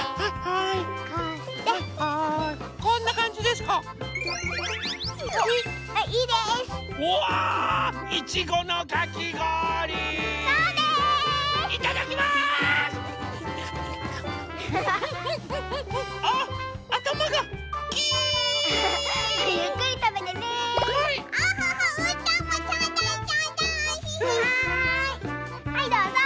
はいはいどうぞ。